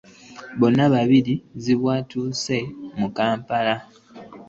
Bbomu bbiri zibwatusse mu Kampala.